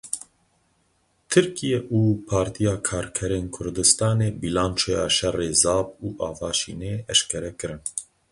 Tirkiye û Partiya Karkerên Kurdistanê bîlançoya şerê Zap û Avaşînê eşkere kirin.